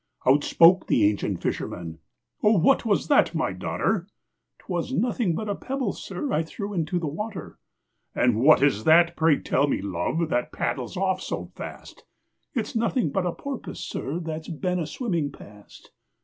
Out spoke the ancient fisherman, "Oh, what was that, my daughter?" "'T was nothing but a pebble, sir, I threw into the water." "And what is that, pray tell me, love, that paddles off so fast?" "It's nothing but a porpoise, sir, that 's been a swimming past."